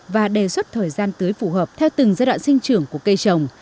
và đề xuất thời gian tưới phù hợp theo từng giai đoạn sinh trưởng của cây trồng